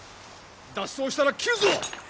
脱走したら斬るぞ！